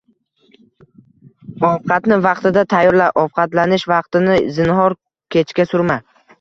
Ovqatni vaqtida tayyorla, ovqatlanish vaqtini zinhor kechga surma.